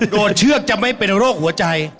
เชือกจะไม่เป็นโรคหัวใจ